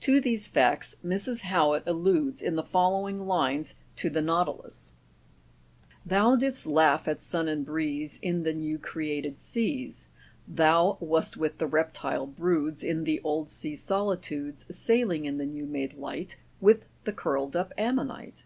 To these facts Mrs. Howitt alludes in the following lines to the nautilus : "Thou didst laugh at sun and breeze In the new created seas; ' Thou wast with the reptile broods In the old sea solitudes, Sailing in the new made light, With thecurled up ammonite.